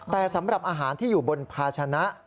แต่สำหรับอาหารที่อยู่บนภาชนะ